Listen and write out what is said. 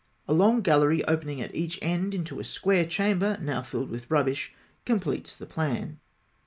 A long gallery opening at each end into a square chamber, now filled with rubbish (E), completes the plan.